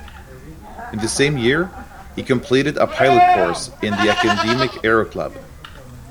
In the same year, he completed a pilot course in the Academic Aeroclub.